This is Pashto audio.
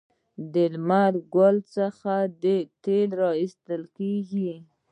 د لمر ګل څخه تیل ایستل کیږي.